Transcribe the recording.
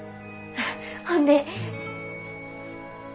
ほんで。